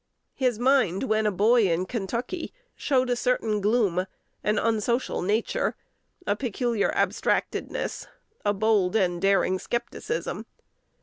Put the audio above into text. His mind, when a boy in Kentucky, showed a certain gloom, an unsocial nature, a peculiar abstractedness, a bold and daring scepticism.